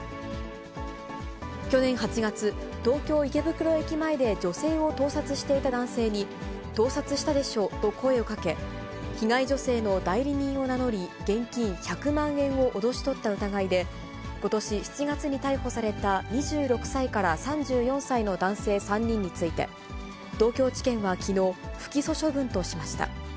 去年８月、東京・池袋駅前で女性を盗撮していた男性に、盗撮したでしょうと声をかけ、被害女性の代理人を名乗り、現金１００万円を脅し取った疑いで、ことし７月に逮捕された２６歳から３４歳の男性３人について、東京地検はきのう、不起訴処分としました。